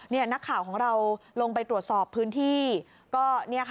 นี่นักข่าวของเราลงไปตรวจสอบพื้นที่ก็